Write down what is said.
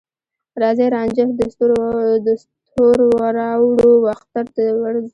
راځې رانجه د ستوروراوړو، واخترته ورځو